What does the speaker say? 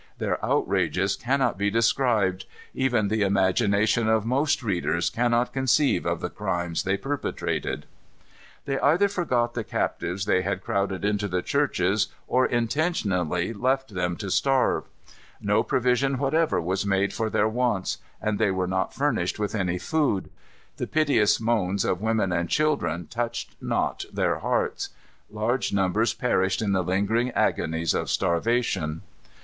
Their outrages cannot be described. Even the imagination of most readers cannot conceive of the crimes they perpetrated. They either forgot the captives they had crowded into the churches or intentionally left them to starve. No provision whatever was made for their wants, and they were not furnished with any food. The piteous moans of women and children touched not their hearts. Large numbers perished in the lingering agonies of starvation.